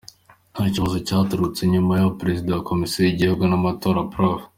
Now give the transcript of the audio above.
Iki kibazo cyagarutsweho nyuma y’aho Perezida wa Komisiyo y’Igihugu y’Amatora, Prof.